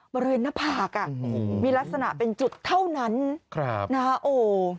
บริเวณหน้าผากมีลักษณะเป็นจุดเท่านั้นนะฮะโอ้